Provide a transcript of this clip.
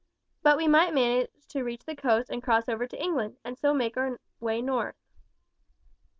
But we might manage to reach the coast and cross over to England, and so make our way north."